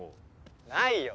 ないよ！